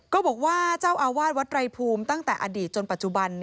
ก็บอกว่าเจ้าอาวาสวัดไรภูมิตั้งแต่อดีตจนปัจจุบัน